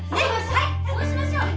はいそうしましょう！